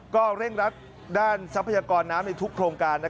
ก็เร่งรัดด้านทรัพยากรน้ำในทุกโครงการ